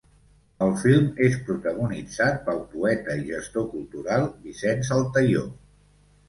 El film és protagonitzat pel poeta i gestor cultural Vicenç Altaió.